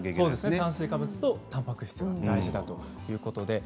炭水化物とたんぱく質が大事だということです。